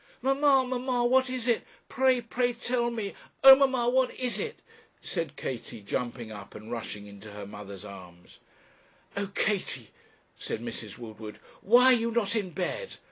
'Mamma, mamma, what is it? pray, pray tell me; oh! mamma, what is it?' said Katie, jumping up and rushing into her mother's arms. 'Oh! Katie,' said Mrs. Woodward, 'why are you not in bed?